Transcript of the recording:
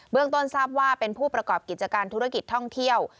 ต้นทราบว่าเป็นผู้ประกอบกิจการธุรกิจท่องเที่ยว